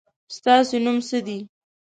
ستاسو نوم څه دی ؟